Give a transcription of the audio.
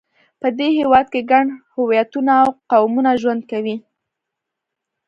په دې هېواد کې ګڼ هویتونه او قومونه ژوند کوي.